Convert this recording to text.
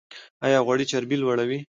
ایا غوړي چربي لوړوي؟